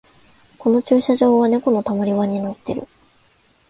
この駐車場はネコのたまり場になってる